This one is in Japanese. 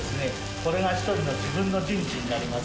これが一人の自分の陣地になります。